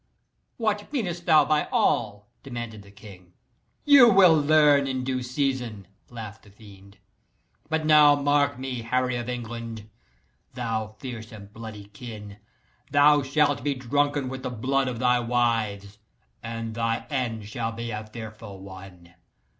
"What meanest thou by all?" demanded the king. "You will learn in due season," laughed the fiend. "But now mark me, Harry of England, thou fierce and bloody kin thou shalt be drunken with the blood of thy wives; and thy end shall be a fearful one.